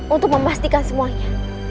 untuk memastikan semuanya